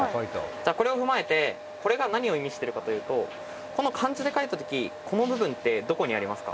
じゃあこれを踏まえてこれが何を意味してるかというとこの漢字で書いた時この部分ってどこにありますか？